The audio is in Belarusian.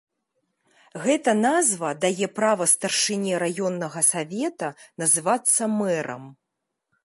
Гэта назва дае права старшыне раённага савета называцца мэрам.